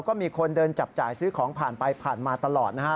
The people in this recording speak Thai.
ก็มีคนเดินจับจ่ายซื้อของผ่านไปผ่านมาตลอดนะฮะ